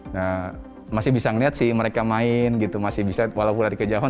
nah masih bisa ngeliat sih mereka main gitu masih bisa walaupun lari kejauhan